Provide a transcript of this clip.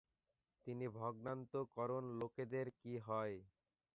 তিনি "ভগ্নান্তঃকরণ লোকেদের কী হয়?"